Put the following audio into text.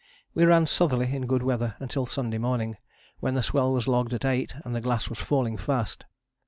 We ran southerly in good weather until Sunday morning, when the swell was logged at 8 and the glass was falling fast.